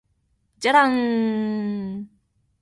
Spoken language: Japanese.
じゃらんーーーーー